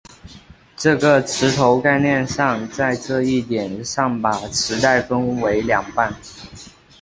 这个磁头概念上在这一点上把磁带分为两半。